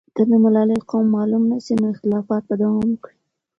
که د ملالۍ قوم معلوم نه سي، نو اختلافات به دوام وکړي.